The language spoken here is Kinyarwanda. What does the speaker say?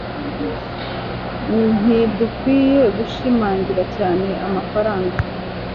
ntidukwiye gushimangira cyane amafaranga